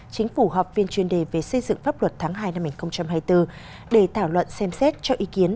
chính phủ họp viên chuyên đề về xây dựng pháp luật tháng hai năm hai nghìn hai mươi bốn để thảo luận xem xét cho ý kiến